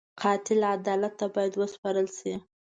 قاتل عدالت ته باید وسپارل شي